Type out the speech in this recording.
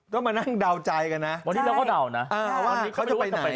ก็มานั่งเดาใจกันนะวันนี้เราก็เดานะว่าเขาจะไปไหน